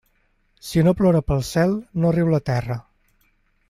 Si no plora pel cel, no riu la terra.